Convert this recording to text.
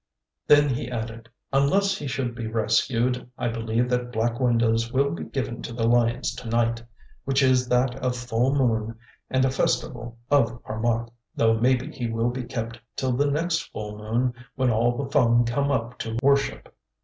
Then he added, "Unless he should be rescued, I believe that Black Windows will be given to the lions to night, which is that of full moon and a festival of Harmac, though maybe he will be kept till the next full moon when all the Fung come up to worship."